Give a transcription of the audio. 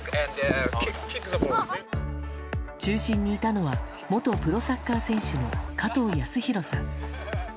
中心にいたのは元プロサッカー選手の加藤康弘さん。